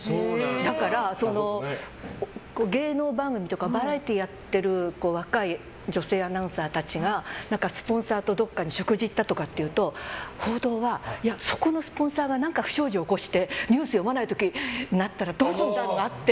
だから、芸能番組とかバラエティーやっている若い女性アナウンサーたちがスポンサーと、どっかに食事に行ったとかいうと報道は、そこのスポンサーが何か不祥事を起こしてニュース読まないといけない時どうするんだってあって。